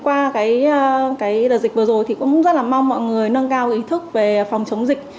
qua cái đợt dịch vừa rồi thì cũng rất là mong mọi người nâng cao ý thức về phòng chống dịch